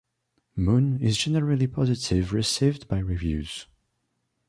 "Moon" is generally positive received by reviews.